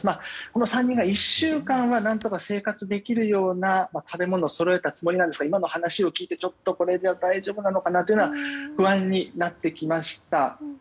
この３人が１週間は何とか生活できるような食べ物をそろえたつもりですけど今の話を聞いて、ちょっとこれで大丈夫なのかなと不安になってきました。